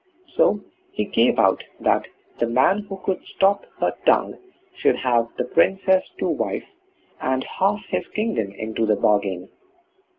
So he gave out that the man who could stop her tongue should have the Princess to wife, and half his kingdom into the bargain.